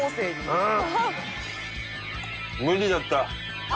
うん？